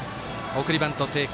送りバント成功。